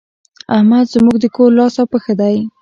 احمد زموږ د کور لاس او پښه دی.